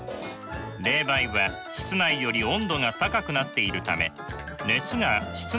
冷媒は室内より温度が高くなっているため熱が室内に移動します。